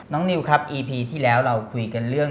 นิวครับอีพีที่แล้วเราคุยกันเรื่อง